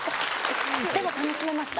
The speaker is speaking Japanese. でも楽しめました？